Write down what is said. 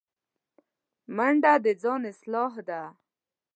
منډه د ځان اصلاح ده